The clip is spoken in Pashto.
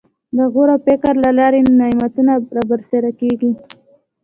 د غور او فکر له لارې نعمتونه رابرسېره کېږي.